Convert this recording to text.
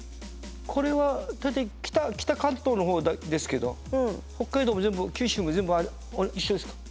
これは北関東の方ですけど北海道も全部九州も全部一緒ですか？